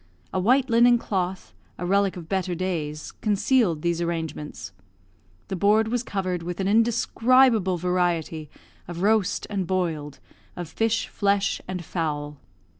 A white linen cloth, a relic of better days, concealed these arrangements. The board was covered with an indescribable variety of roast and boiled, of fish, flesh, and fowl.